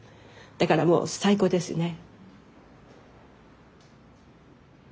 だからもう最高ですね。